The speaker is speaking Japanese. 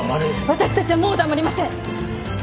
私たちはもう黙りません。